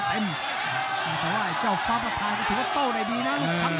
แต่ว่าไอ้เจ้าฟ้าประธานก็ถือว่าโต้ได้ดีนะ